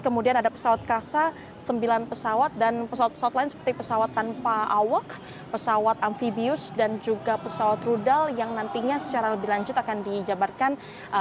kemudian ada pesawat kasa sembilan pesawat dan pesawat pesawat lain seperti pesawat tanpa awak pesawat amfibius dan juga pesawat rudal yang nantinya secara lebih lanjut akan dijabarkan